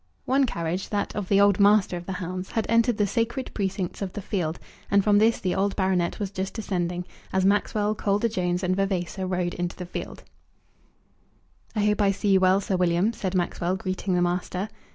One carriage, that of the old master of the hounds, had entered the sacred precincts of the field, and from this the old baronet was just descending, as Maxwell, Calder Jones, and Vavasor rode into the field. [Illustration: Edgehill.] "I hope I see you well, Sir William," said Maxwell, greeting the master.